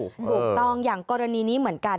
ถูกต้องอย่างกรณีนี้เหมือนกัน